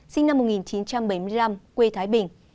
sinh năm một nghìn chín trăm bảy mươi năm quê thái bình